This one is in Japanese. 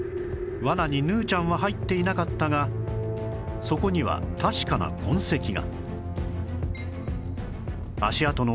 罠にヌーちゃんは入っていなかったがそこには確かな痕跡が